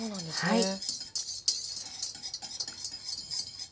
はい。